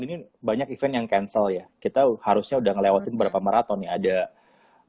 ini banyak event yang cancel ya kita harusnya udah ngelewatin beberapa maraton ya ada ada yang ada yang